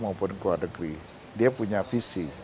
maupun kuadekri dia punya visi